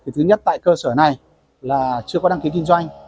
thứ nhất tại cơ sở này là chưa có đăng ký kinh doanh